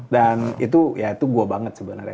dan itu ya itu gue banget sebenernya